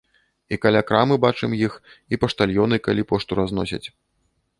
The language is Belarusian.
І каля крамы бачым іх, і паштальёны, калі пошту разносяць.